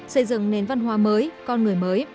xây dựng nền văn hóa mới con người mới